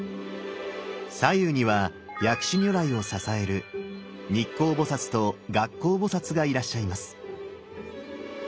左右には薬師如来を支える日光菩と月光菩がいらっしゃいます。